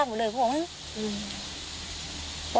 มันวิบมันเนี่ย